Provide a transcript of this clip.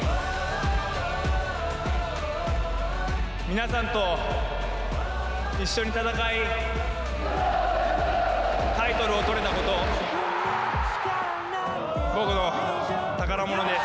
皆さんと一緒に戦いタイトルを取れたことが僕の宝物です。